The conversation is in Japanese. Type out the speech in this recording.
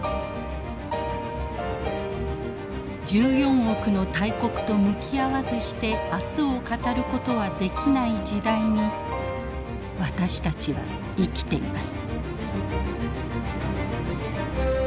１４億の大国と向き合わずして明日を語ることはできない時代に私たちは生きています。